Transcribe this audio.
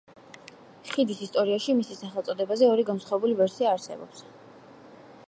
ხიდის ისტორიაში მისი სახელწოდებაზე ორი განსხვავებული ვერსია არსებობს.